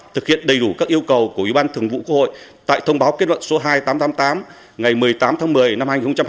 thực hiện đầy đủ các yêu cầu của ủy ban thường vụ quốc hội tại thông báo kết luận số hai nghìn tám trăm tám mươi tám ngày một mươi tám tháng một mươi năm hai nghìn một mươi tám